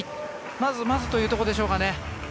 まずまずというところでしょうか。